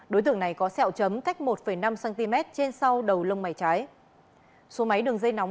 đối tượng này có sẹo chấm cách một năm cm trên sau đầu lông mày trái